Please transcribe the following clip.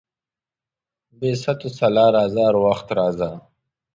بې ست وسلا راځه، هر وخت راځه.